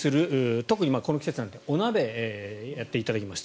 特にこの季節お鍋をやっていただきました。